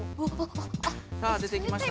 さあ出てきました。